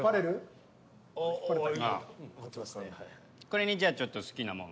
これにじゃあちょっと好きなもの。